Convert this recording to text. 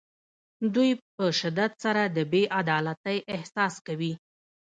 دوی په شدت سره د بې عدالتۍ احساس کوي.